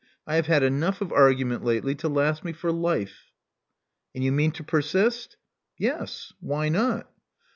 I have had enough of argument lately to last me for life. " And you mean to persist?" •'Yes. Why not?"